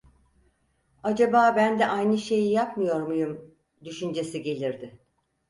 "Acaba ben de aynı şeyi yapmıyor muyum?" düşüncesi gelirdi.